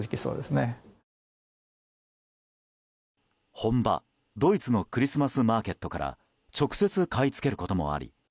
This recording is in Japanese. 本場ドイツのクリスマスマーケットから直接、買い付けることもあり